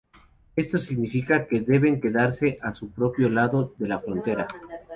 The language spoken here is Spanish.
Esto significa que deben quedarse a su propio lado de la frontera.